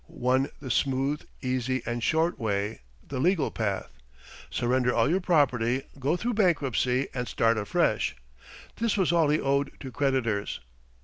One the smooth, easy, and short way the legal path. Surrender all your property, go through bankruptcy, and start afresh. This was all he owed to creditors.